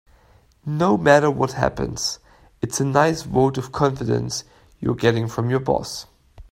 No matter what happens, it's a nice vote of confidence you're getting from your boss.